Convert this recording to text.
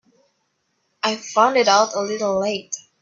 I found it out a little late.